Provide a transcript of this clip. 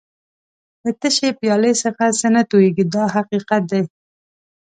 له تشې پیالې څخه څه نه تویېږي دا حقیقت دی.